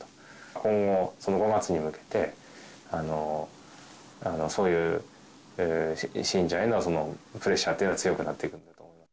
今後、その５月に向けて、そういう信者へのプレッシャーというのは強くなっていくんだと。